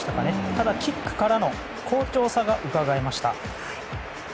ただキックからの好調さがうかがえました。